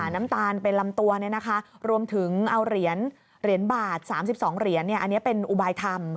น้ำตาลเป็นลำตัวรวมถึงเอาเหรียญบาท๓๒เหรียญอันนี้เป็นอุบายธรรม